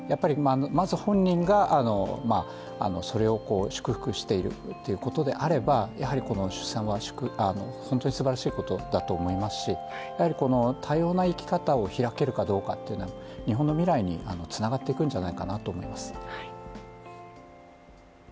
まず本人がそれを祝福しているということであればやはりこの出産は、本当にすばらしいことだと思いますし多様な生き方をひらけるかどうかというのは日本の未来につながっていくんじゃないかなと思います。